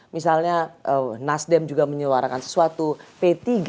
misalnya nasdem juga menyuarakan sesuatu p tiga